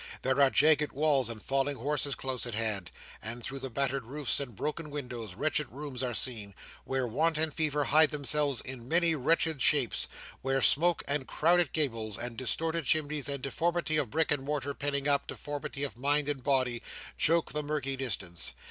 There are jagged walls and falling houses close at hand, and through the battered roofs and broken windows, wretched rooms are seen, where want and fever hide themselves in many wretched shapes, while smoke and crowded gables, and distorted chimneys, and deformity of brick and mortar penning up deformity of mind and body, choke the murky distance.